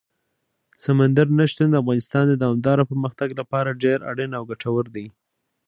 سمندر نه شتون د افغانستان د دوامداره پرمختګ لپاره ډېر اړین او ګټور دی.